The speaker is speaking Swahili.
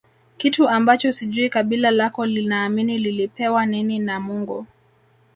Kitu ambacho sijui kabila lako linaamini lilipewa nini na Mungu